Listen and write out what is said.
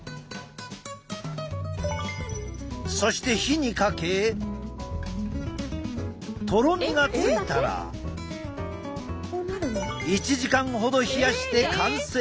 そして火にかけとろみがついたら１時間ほど冷やして完成。